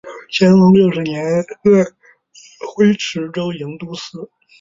乾隆六十年任安徽池州营都司。